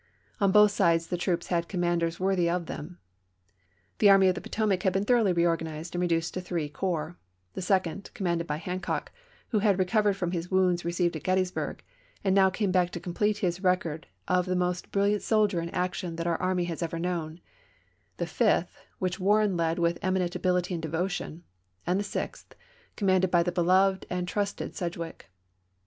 On both sides the troops had commanders worthy of them. The Army of the Potomac had been thoroughly reorganized and reduced to three corps : the Sec ond, commanded by Hancock, who had recovered from his wounds received at Grettysbui'g, and now came back to complete his record of the most bril liant soldier in action that our army has ever known; the Fifth, which WaiTen led with eminent ability and devotion ; and the Sixth, commanded by the beloved and trusted Sedgwick.